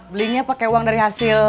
belinya pakai uang dari hasil